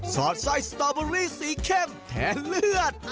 สอดสอยสตอบอัลบัรีสี้เข้มแถมเลือด